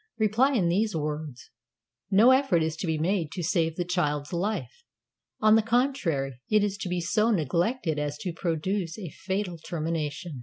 "Reply in these words: 'No effort is to be made to save the child's life. On the contrary, it is to be so neglected as to produce a fatal termination.'"